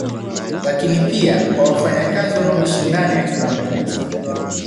Lakini pia kwa wafanyakazi wanaoishi ndani ya kiwanda hicho